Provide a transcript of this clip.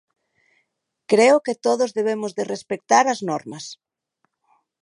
Creo que todos debemos de respectar as normas.